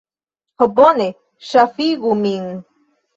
Oh bone! Ŝafigu min.